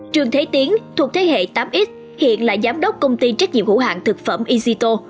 trường thế tiến thuộc thế hệ tám x hiện là giám đốc công ty trách nhiệm hữu hạng thực phẩm easito